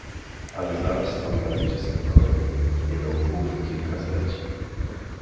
"Ale zaraz tam będzie spokojniej, jeno łbów kilka zleci."